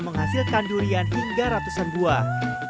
menghasilkan durian hingga ratusan buah